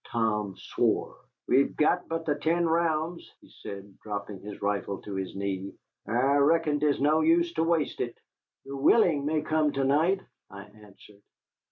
Tom swore. "We've got but the ten rounds," he said, dropping his rifle to his knee. "I reckon 'tis no use to waste it." "The Willing may come to night," I answered.